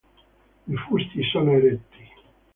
I fusti sono eretti.